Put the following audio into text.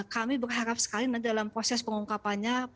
kami berharap sekali nanti dalam proses pengungkapannya